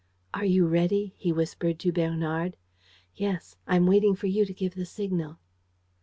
"Are you ready?" he whispered to Bernard. "Yes. I am waiting for you to give the signal."